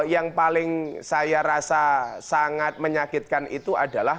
yang paling saya rasa sangat menyakitkan itu adalah